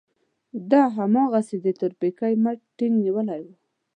ده هماغسې د تورپيکۍ مټ ټينګ نيولی و.